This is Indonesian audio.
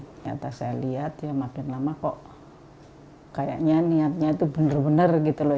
ternyata saya lihat ya makin lama kok kayaknya niatnya itu benar benar gitu loh